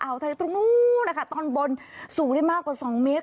ไทยตรงนู้นนะคะตอนบนสูงได้มากกว่า๒เมตร